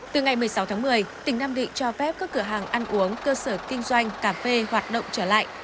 từ ngày một mươi sáu tháng một mươi tỉnh nam định cho phép các cửa hàng ăn uống cơ sở kinh doanh cà phê hoạt động trở lại